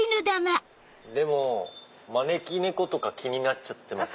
でも招き猫とか気になっちゃってます。